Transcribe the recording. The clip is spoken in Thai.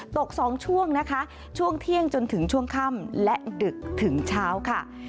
ตก๒ช่วงนะคะช่วงเที่ยงจนถึงช่วงค่ำและดึกถึงเช้าค่ะ